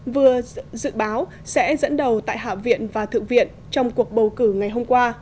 vừa dự báo sẽ dẫn đầu tại hạ viện và thượng viện trong cuộc bầu cử ngày hôm qua